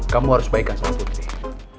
kamu harus baikan salah satu diri